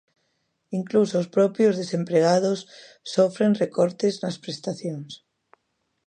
Incluso os propios desempregados sofren recortes nas prestacións.